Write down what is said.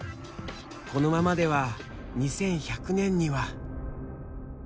このままでは２１００年には。